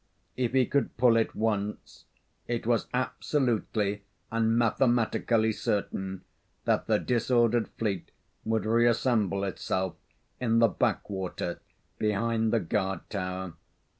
If he could pull it once, it was absolutely and mathematically certain that the disordered fleet would reassemble itself in the backwater behind the guard tower.